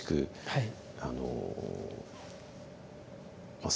はい。